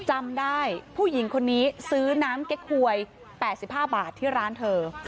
จำได้ผู้หญิงคนนี้ซื้อน้ำเก๊กหวย๘๕บาทที่ร้านเธอ